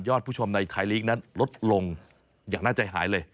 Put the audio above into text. ผู้ชมในไทยลีกนั้นลดลงอย่างน่าใจหายเลย